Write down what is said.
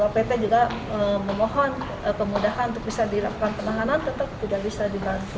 pt juga memohon kemudahan untuk bisa dilakukan penahanan tetap tidak bisa dibantu